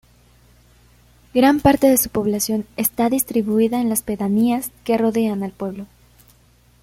Gran parte de su población está distribuida en las pedanías que rodean al pueblo.